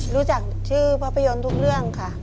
รู้จักชื่อภาพยนตร์ทุกเรื่องค่ะ